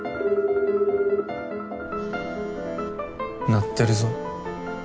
鳴ってるぞ？